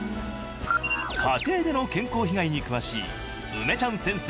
家庭での健康被害に詳しい梅ちゃん先生